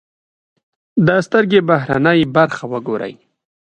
د سترکې بهرنۍ برخه و ګورئ.